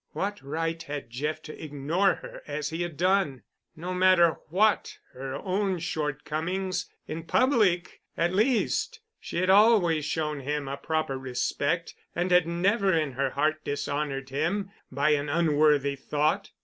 What right had Jeff to ignore her as he had done? No matter what her own shortcomings, in public, at least, she had always shown him a proper respect and had never in her heart dishonored him by an unworthy thought.